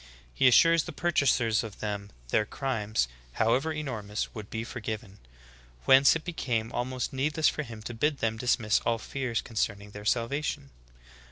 He assured the purchasers of them, their crimes, how ever enormous, would be forgiven ; whence it became al most needless for him to bid them dismiss all fears con cerning their salvation.